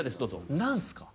何すか？